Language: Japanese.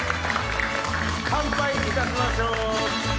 乾杯いたしましょう。